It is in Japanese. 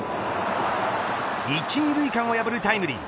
１・２塁間を破るタイムリー。